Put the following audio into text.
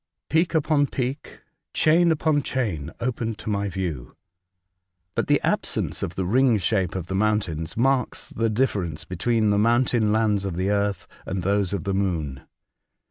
Peak upon peak, chain upon chain, opened to my view. Bat the absence of the ring shape of the mountains marks the difference between the mountain lands of the earth and those of the moon.